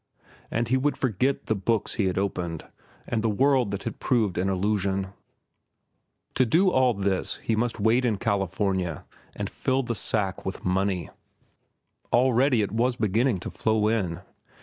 And he would forget the books he had opened and the world that had proved an illusion. To do all this he must wait in California to fill the sack with money. Already it was beginning to flow in.